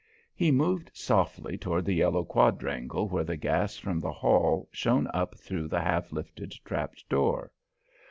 He moved softly toward the yellow quadrangle where the gas from the hall shone up through the half lifted trapdoor.